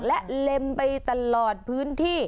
และเล็มไปตลอดพื้นที่